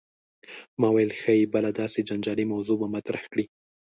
ما ویل ښايي بله داسې جنجالي موضوع به مطرح کړې.